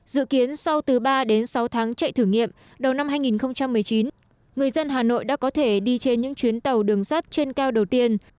dự kiến sau từ ba đến sáu tháng chạy thử nghiệm đầu năm hai nghìn một mươi chín người dân hà nội đã có thể đi trên những chuyến tàu đường sắt trên cao đầu tiên